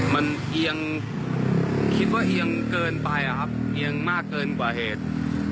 มันเอียงคิดว่าเอียงเกินไปอะครับเอียงมากเกินกว่าเหตุ